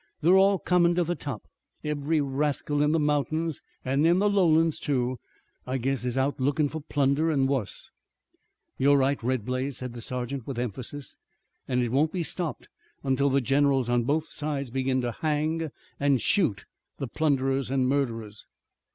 They're all comin' to the top. Every rascal in the mountains an' in the lowlands, too, I guess, is out lookin' for plunder an' wuss." "You're right, Red Blaze," said the sergeant with emphasis, "an' it won't be stopped until the generals on both sides begin to hang an' shoot the plunderers an' murderers."